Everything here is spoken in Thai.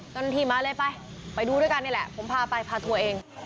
เจ้าหน้าที่มาเลยไปไปดูด้วยกันนี่แหละผมพาไปพาตัวเอง